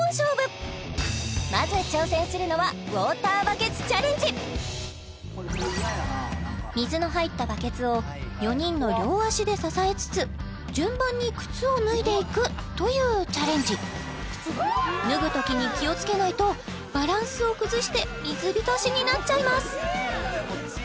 今回はまず挑戦するのは水の入ったバケツを４人の両足で支えつつ順番に靴を脱いでいくというチャレンジ脱ぐときに気をつけないとバランスを崩して水浸しになっちゃいます